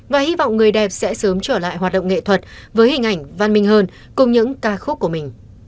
và hy vọng người đẹp sẽ sớm trở lại hoạt động nghệ thuật với hình ảnh văn minh hơn cùng những ca khúc của mình